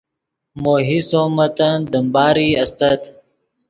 مو حصو متن دیم باری استت